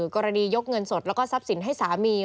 กรณียกเงินสดแล้วก็ทรัพย์สินให้สามี